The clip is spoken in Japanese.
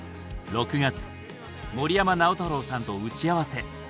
６月森山直太朗さんと打ち合わせ。